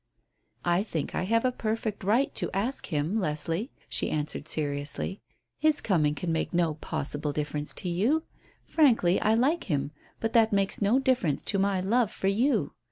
"I think I have a perfect right to ask him, Leslie," she answered seriously. "His coming can make no possible difference to you. Frankly, I like him, but that makes no difference to my love for you.